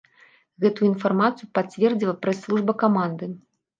Гэтую інфармацыю пацвердзіла прэс-служба каманды.